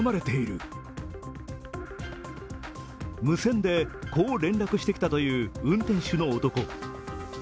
無線でこう連絡してきたという運転手の男。